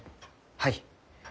はい。